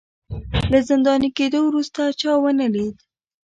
له زنداني کېدو وروسته چا ونه لید